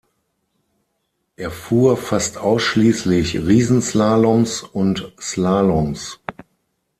Er fuhr fast ausschließlich Riesenslaloms und Slaloms.